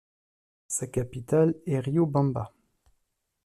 Sa capitale est Riobamba.